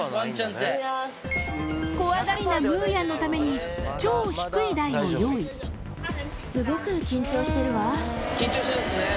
怖がりなムーヤンのために超低い台を用意緊張してるんですね。